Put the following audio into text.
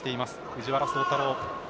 藤原崇太郎。